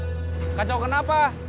kalau kacau kenapa